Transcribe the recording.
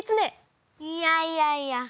いやいやいや。